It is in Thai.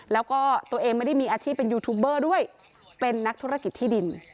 แล้วก็ตัวเองไม่ได้มีอาชีพเป็นยูทูบเบอร์ด้วยเป็นนักธุรกิจที่ดิน